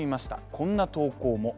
こんな投稿も。